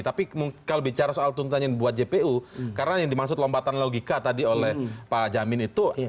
tapi kalau bicara soal tuntutan yang dibuat jpu karena yang dimaksud lompatan logika tadi oleh pak jamin itu